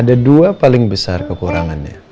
ada dua paling besar kekurangannya